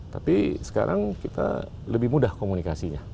tapi sekarang kita lebih mudah komunikasinya